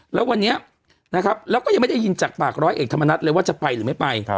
แล้ววันนี้นะครับแล้วก็ยังไม่ได้ยินจากปากร้อยเอกธรรมนัฐเลยว่าจะไปหรือไม่ไป